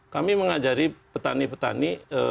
kami mengajari petani petani